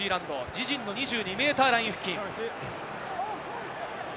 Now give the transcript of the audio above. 自陣の２２メーターライン付近。